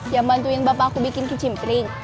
yang bantuin bapak aku bikin kecimpring